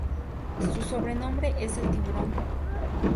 Su sobrenombre es El tiburón.